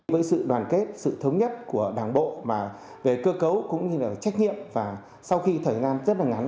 với sự đoàn kết sự thống nhất của đảng bộ về cơ cấu cũng như là trách nhiệm và sau khi thời gian rất là ngắn